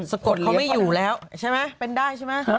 สะกดเขาไม่อยู่แล้วใช่ไหมเป็นได้ใช่ไหม